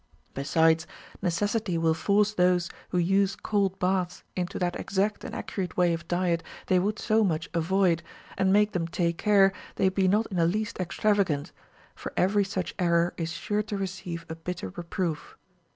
Besides, necessity Avill force those who use cold 268 RULES FOR THE PRESERVATION OF HEALTH. baths into that exact and accurate way of diet they Avould so much avoid, and make them take care they be not in the least extravagant, for every such error is sure to receive a bitter reproof.